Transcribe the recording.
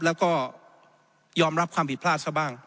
แล้วก็ยอมรับความผิดพลาด